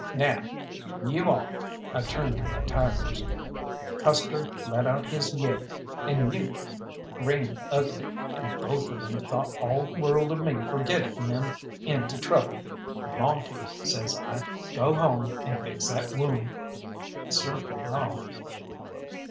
"Now, you all!" I turned to my tigers. Custer let out his yelp, and Ute grinned ugly, and both of them thought all the world of me for getting them into trouble. "Monte," says I, "go home and fix that wound." He circled off.